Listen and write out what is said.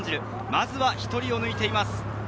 まずは１人を抜いています。